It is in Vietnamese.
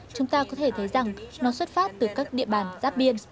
chúng ta có thể thấy rằng nó xuất phát từ các địa bàn giáp biên